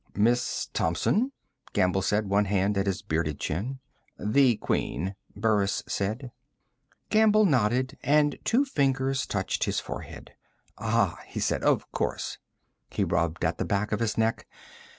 "Miss Thompson?" Gamble said, one hand at his bearded chin. "The Queen," Burris said. Gamble nodded and two fingers touched his forehead. "Ah," he said. "Of course." He rubbed at the back of his neck.